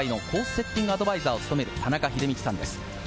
セッティングアドバイザーを務める田中秀道さんです。